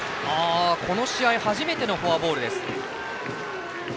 この試合初めてのフォアボールです。